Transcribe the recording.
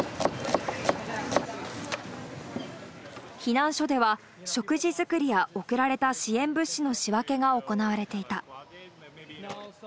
避難所では、食事作りや、送られた支援物資の仕分けが行われていた。